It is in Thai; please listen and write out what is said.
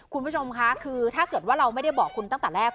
คุณผู้ชมคะคือถ้าเกิดว่าเราไม่ได้บอกคุณตั้งแต่แรก